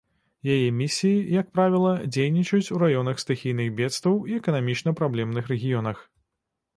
Яе місіі, як правіла, дзейнічаюць у раёнах стыхійных бедстваў і эканамічна праблемных рэгіёнах.